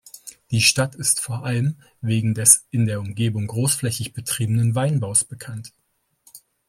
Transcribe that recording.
Die Stadt ist vor allem wegen des in der Umgebung großflächig betriebenen Weinbaus bekannt.